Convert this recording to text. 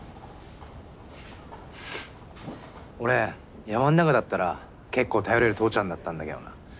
俺山ん中だったら結構頼れる父ちゃんだったんだけどな。